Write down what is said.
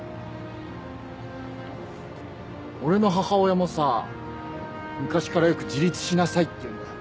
俺の母親もさ昔からよく「自立しなさい」って言うんだよ。